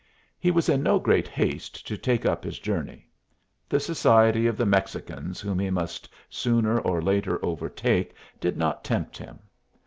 He was in no great haste to take up his journey. The society of the Mexicans whom he must sooner or later overtake did not tempt him.